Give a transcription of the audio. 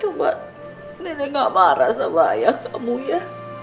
coba nenek gak marah sama ayah kamu ya